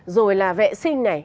rồi là vệ sinh này